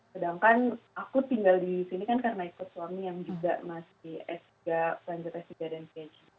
sedangkan aku tinggal di sini kan karena ikut suami yang juga masih s tiga lanjut s tiga dan c